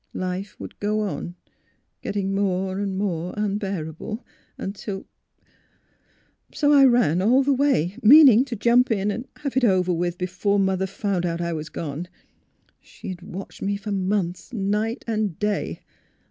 Life would go on, getting more and more unbearable, till So I ran all the way, meaning to jump in and have it over AT THE PAESONAGE 231 witli before Mother found out I was gone. She has watched me for months, night and day.